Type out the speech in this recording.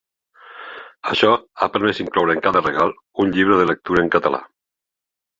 Això ha permès incloure en cada regal un llibre de lectura en català.